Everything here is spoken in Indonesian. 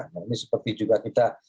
nah ini seperti juga kita